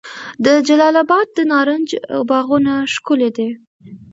د جلال اباد د نارنج باغونه ښکلي دي.